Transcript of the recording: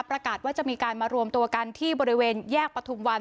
ประกาศว่าจะมีการมารวมตัวกันที่บริเวณแยกประทุมวัน